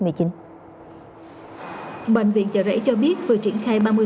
bệnh viện chợ rẫy cho biết vừa triển khai